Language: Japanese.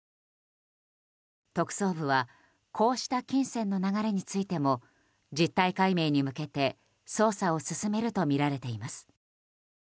特捜部はこうした金銭の流れについても実態解明に向けて捜査を進めるとみられています。